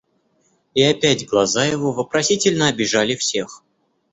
И опять глаза его вопросительно обежали всех.